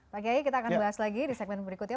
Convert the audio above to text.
pagi lagi kita akan bahas lagi di segmen berikutnya